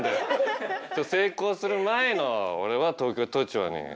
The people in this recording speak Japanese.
ちょっと成功する前の俺は東京都庁に。